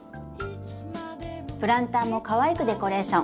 プランターもかわいくデコレーション。